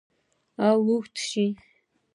او اوږدې شي